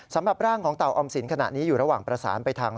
สำหรับร่างของเต่าออมสินขณะนี้อยู่ระหว่างประสานไปทาง